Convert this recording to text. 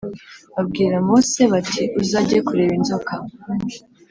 Babwira Mose bati uzajye kureba inzoka